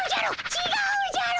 ちがうじゃろ。